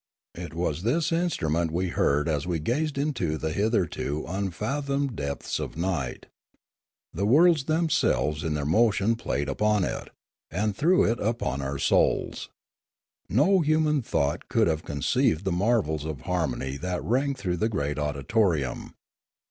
It was this instrument we beard as we gazed into the hitherto unfathomed depths of night. The worlds themselves in their motion played upon it, and through it upon our souls. No human thought could have con ceived the marvels of harmony that rang through the great auditorium.